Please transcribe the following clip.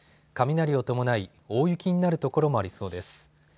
雷を伴い、大雪になる所もありそうです。